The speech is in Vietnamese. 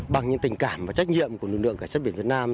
bằng những tình cảm và trách nhiệm của lực lượng cảnh sát biển việt nam